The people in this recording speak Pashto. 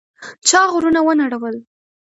چا غرونه ونړول؟